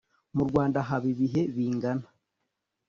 mu rwanda haba ibihe bingahe